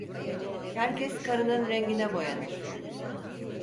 Herkes karının rengine boyanır.